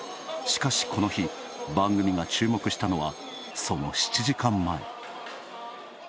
しかしこの日、番組が注目したのはその７時間前。